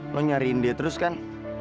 lo nyariin dia terus kan